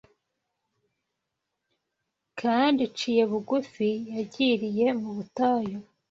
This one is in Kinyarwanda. kandi iciye bugufi yagiriye mu butayu.